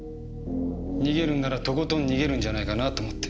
逃げるんならとことん逃げるんじゃないかなと思って。